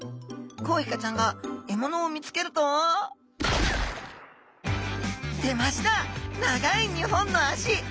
コウイカちゃんが獲物を見つけると出ました長い２本の足！